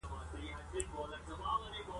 په دې شرط چې نور به په دې هکله څه نه پوښتې.